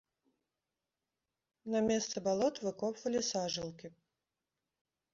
На месцы балот выкопвалі сажалкі!